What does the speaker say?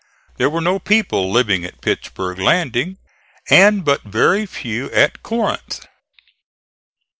There were no people living at Pittsburg landing, and but very few at Corinth.